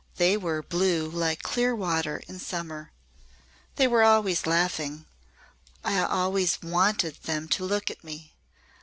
They were blue like clear water in summer. They were always laughing. I always wanted them to look at me!